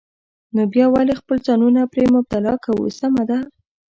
نو بیا ولې خپل ځانونه پرې مبتلا کوو؟ سمه ده.